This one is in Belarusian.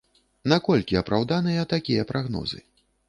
Наколькі апраўданыя такія прагнозы?